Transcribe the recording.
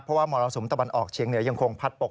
เพราะว่ามรสุมตะวันออกเชียงเหนือยังคงพัดปก